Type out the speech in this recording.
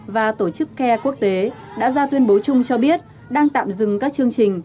và tổ chức care quốc tế đã ra tuyên bố chung cho biết đang tạm dừng các chương trình